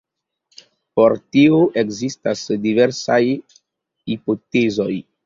Por tio ekzistas diversaj hipotezoj.